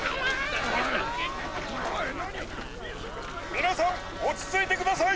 みなさんおちついてください！